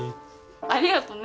ありがとね。